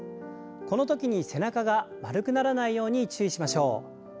このときに背中が丸くならないように注意しましょう。